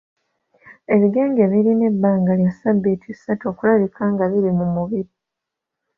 Ebigenge birina ebbanga lya ssabbiiti ssatu okulabika nga biri mu mubiri.